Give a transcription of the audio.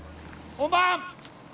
・本番！